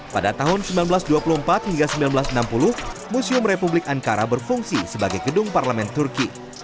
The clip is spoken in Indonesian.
pada tahun seribu sembilan ratus dua puluh empat hingga seribu sembilan ratus enam puluh museum republik ankara berfungsi sebagai gedung parlemen turki